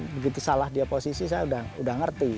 begitu salah dia posisi saya sudah ngerti